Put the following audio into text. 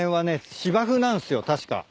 芝生なんすよ確か。